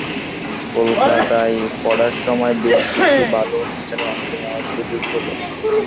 কলকাতায় পড়ার সময় বেশ কিছু ভালো অনুষ্ঠানে অংশ নেওয়ার সুযোগ হলো।